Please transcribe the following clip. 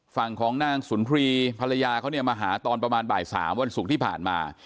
ฝั่งของนางสุนทรีภรรยาเขาเนี่ยมาหาตอนประมาณบ่าย๓วันศุกร์ที่ผ่านมา